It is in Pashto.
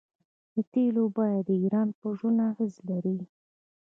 د تیلو بیه د ایران په ژوند اغیز لري.